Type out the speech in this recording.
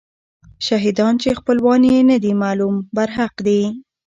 شهیدان چې خپلوان یې نه دي معلوم، برحق دي.